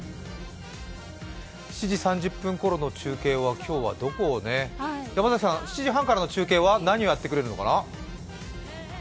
７時３０分ころの中継は今日はどこをね山崎さん、７時半からの中継は何をやってくれるのかな？